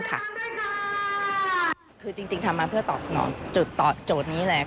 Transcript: คือจริงทำมาเพื่อตอบสนองโจทย์นี้แหละ